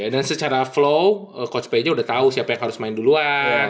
dan secara flow coach peja udah tau siapa yang harus main duluan